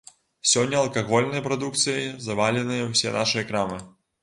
Сёння алкагольнай прадукцыяй заваленыя ўсе нашыя крамы.